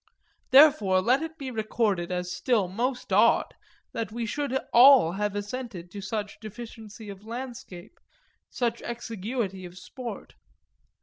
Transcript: Therefore let it be recorded as still most odd that we should all have assented to such deficiency of landscape, such exiguity of sport.